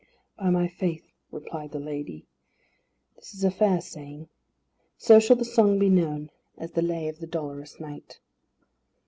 "By my faith," replied the lady, "this is a fair saying. So shall the song be known as the Lay of the Dolorous Knight."